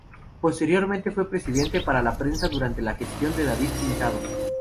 Posteriormente fue presidente de prensa durante la gestión de David Pintado.